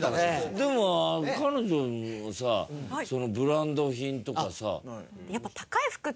でも彼女もさそのブランド品とかさ。